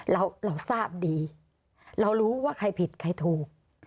เราทราบดีเรารู้ว่าใครผิดใครถูก